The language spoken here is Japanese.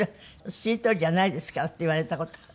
しりとりじゃないですからって言われた事がある。